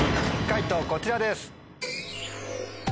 解答こちらです！